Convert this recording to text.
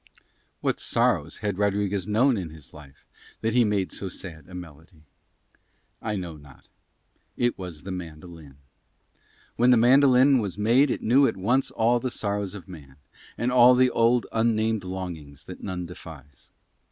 What sorrows had Rodriguez known in his life that he made so sad a melody? I know not. It was the mandolin. When the mandolin was made it knew at once all the sorrows of man, and all the old unnamed longings that none defines.